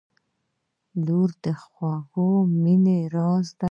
• لور د خوږې مینې راز دی.